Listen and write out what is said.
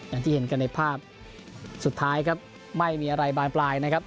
อย่างที่เห็นกันในภาพสุดท้ายครับไม่มีอะไรบานปลายนะครับ